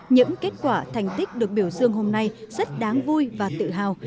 những kết quả thành tích được biểu dương hôm nay rất đáng vui và tự hào